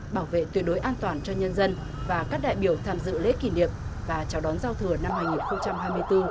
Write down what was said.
bảo vệ tuyệt đối an toàn cho nhân dân và các đại biểu tham dự lễ kỷ niệm và chào đón giao thừa năm hai nghìn hai mươi bốn